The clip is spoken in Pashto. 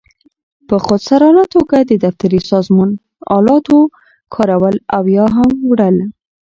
په خودسرانه توګه د دفتري سامان آلاتو کارول او یا هم وړل.